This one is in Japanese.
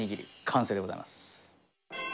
完成でございます。